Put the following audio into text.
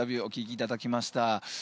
お聞きいただきました。